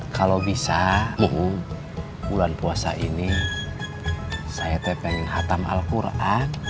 kalau bisa muhu bulan puasa ini saya tepingin hatam al qur'an